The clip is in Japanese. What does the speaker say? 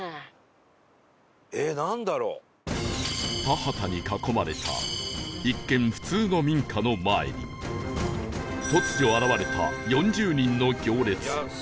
田畑に囲まれた一見普通の民家の前に突如現れた４０人の行列